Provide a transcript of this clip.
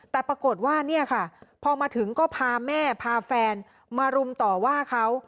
แต่ปรากฏว่าเนี่ยค่ะพอมาถึงก็พาแม่พาแฟนมารุมต่อว่าเขา